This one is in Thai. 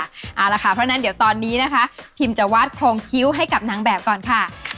เอาละค่ะเพราะฉะนั้นเดี๋ยวตอนนี้นะคะพิมจะวาดโครงคิ้วให้กับนางแบบก่อนค่ะ